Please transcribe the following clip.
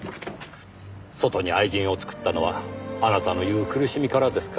外に愛人を作ったのはあなたの言う苦しみからですか？